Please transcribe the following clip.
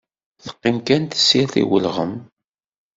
Teqqim kan tessirt i ulɣem.